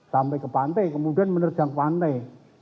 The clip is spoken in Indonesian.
sampai ke pantai kemudian menerjang pantai